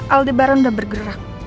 aldebaran udah bergerak